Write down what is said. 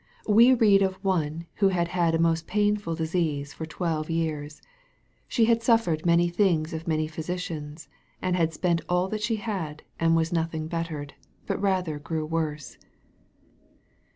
We read of one who had had a most painful disease " for twelve years." She had " suf fered many things of many physicians, and had spent all that she had, and was nothing bettered, but rather grew worse."